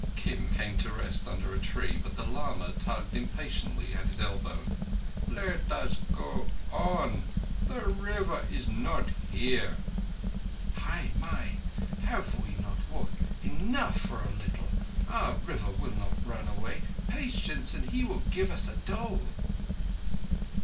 Kim came to rest under a tree, but the lama tugged impatiently at his elbow. "Let us go on. The River is not here." "Hai mai! Have we not walked enough for a little? Our River will not run away. Patience, and he will give us a dole."